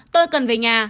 tôi cần về nhà